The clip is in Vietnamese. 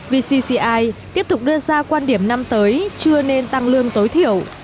vcci tiếp tục đưa ra quan điểm năm tới chưa nên tăng lương tối thiểu